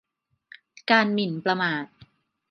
การหมิ่นประมาท